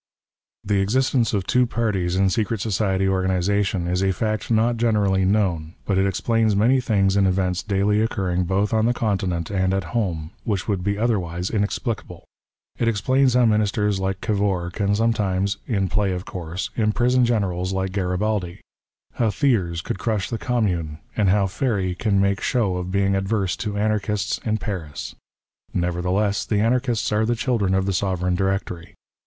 The existence of two parties in secret society organi zation is a fact not generally known ; but it explains many things in events daily occurring both on the Continent and at home, which would be otherwise PREFACE. XV inexplicable. It explains how ministers like Gavour can sometimes — in play, of course — imprison generals like Garibaldi, how Thiers could crush the Commune, and how Eerry can make show of being adverse to anarchists in Paris. Nevertheless, the anarchists are the children of the Sovereign Directory.